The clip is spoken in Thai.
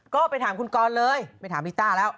ก็ไปถามคุณกรเลยไปถามลิต้าแล้ว